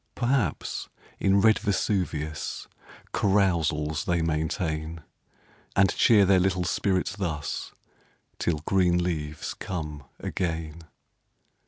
Perhaps, in red Vesuvius Carousals they maintain ; And cheer their little spirits thus, Till green leaves come again.